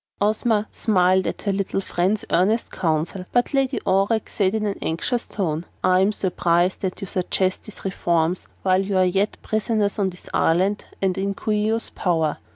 Ozma smiled at her little friend's earnest counsel, but Lady Aurex said in an anxious tone: "I am surprised that you suggest these reforms while you are yet prisoners on this island and in Coo ee oh's power.